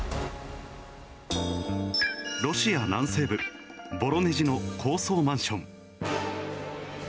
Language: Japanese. ロシア南西部ヴォロネジの高層マンション。